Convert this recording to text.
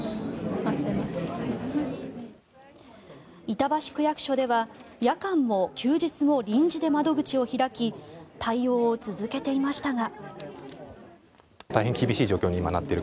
板橋区役所では夜間も休日も臨時で窓口を開き対応を続けていましたが。